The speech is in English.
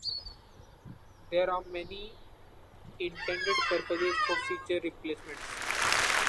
There are many intended purposes for feature replacements.